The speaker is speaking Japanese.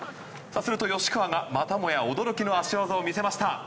すると、吉川がまたもや驚きの足技を見せました。